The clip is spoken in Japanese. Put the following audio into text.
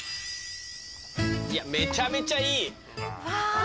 いやめちゃめちゃいい！